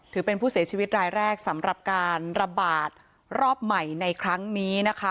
ถือเป็นผู้เสียชีวิตรายแรกสำหรับการระบาดรอบใหม่ในครั้งนี้นะคะ